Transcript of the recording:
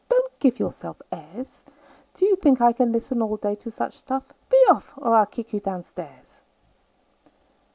"Don't give yourself airs! Do you think I can listen all day to such stuff? Be off, or I'll kick you down stairs.